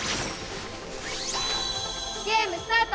ゲームスタート！